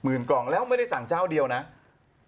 หมื่นกล่องแล้วไม่ได้สั่งเจ้าเดียวแบบนี้